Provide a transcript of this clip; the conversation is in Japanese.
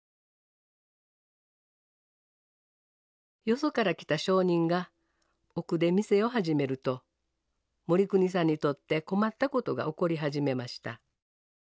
よそから来た商人が奥で店を始めると盛邦さんにとって困ったことが起こり始めました。